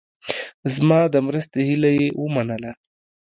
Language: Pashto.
زما د مرستې هیله یې ومنله.